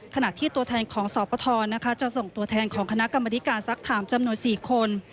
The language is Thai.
ขณะที่ตัวแทนของสปทจะส่งตัวแทนของคณะกรรมธิการสักถามจำนวน๔คน